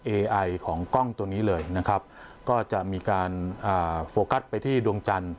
เอไอของกล้องตัวนี้เลยนะครับก็จะมีการอ่าโฟกัสไปที่ดวงจันทร์